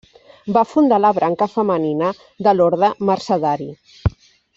Va fundar la branca femenina de l'orde mercedari.